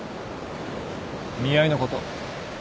見合いのこと。